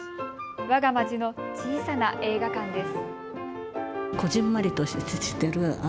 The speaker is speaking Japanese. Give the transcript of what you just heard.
わが街の小さな映画館です。